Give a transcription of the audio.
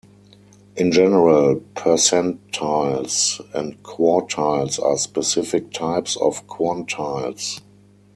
In general, percentiles and quartiles are specific types of quantiles.